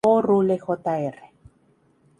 O. Rule, Jr.